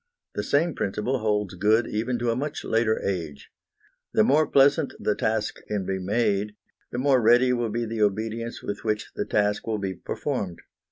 The same principle holds good even to a much later age. The more pleasant the task can be made, the more ready will be the obedience with which the task will be performed.